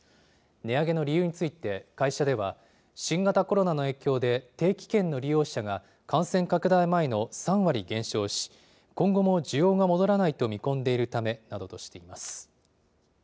値上げの理由について、会社では、新型コロナの影響で、定期券の利用者が感染拡大前の３割減少し、今後も需要が戻らないと見込んでいるためなどとしています。